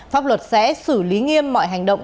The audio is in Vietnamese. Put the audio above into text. pháp luật sẽ xử lý nghiêm mọi hành động